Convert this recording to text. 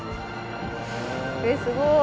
えっすごい。